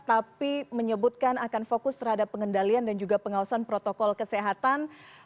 tapi menyebutkan akan fokus terhadap pengendalian dan juga pengawasan protokol kesehatan